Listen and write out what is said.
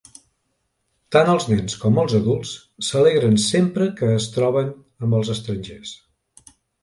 Tant els nens com els adults s"alegren sempre que es troben amb els estrangers.